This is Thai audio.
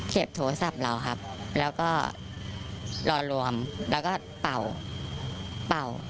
โทรศัพท์เราครับแล้วก็รอรวมแล้วก็เป่าเป่า